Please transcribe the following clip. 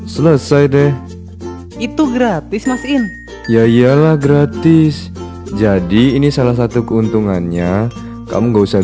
selesai deh itu gratis mas in yalah gratis jadi ini salah satu keuntungannya kamu nggak usah